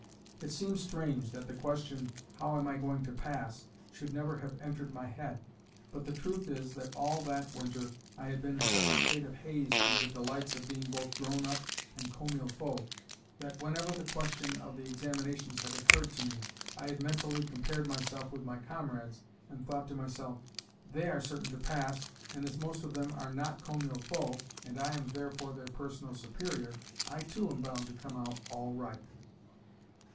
It seems strange that the question "How am I going to pass?" should never have entered my head, but the truth is that all that winter I had been in such a state of haze through the delights of being both grown up and "comme il faut" that, whenever the question of the examinations had occurred to me, I had mentally compared myself with my comrades, and thought to myself, "They are certain to pass, and as most of them are not 'comme il faut,' and I am therefore their personal superior, I too am bound to come out all right."